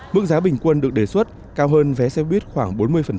mức giá bình quân được đề xuất cao hơn vé xe buýt khoảng bốn mươi